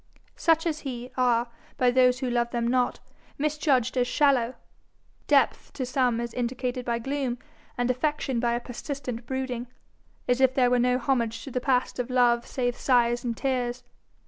Such as he, are, by those who love them not, misjudged as shallow. Depth to some is indicated by gloom, and affection by a persistent brooding as if there were no homage to the past of love save sighs and tears.